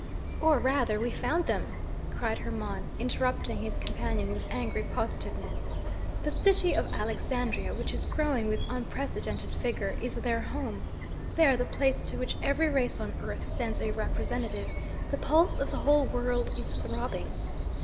"Or rather we found them," cried Hermon, interrupting his companion with angry positiveness. "The city of Alexandria, which is growing with unprecedented vigour, is their home. There, the place to which every race on earth sends a representative, the pulse of the whole world is throbbing.